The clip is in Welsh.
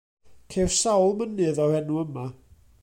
Ceir sawl mynydd o'r enw yma.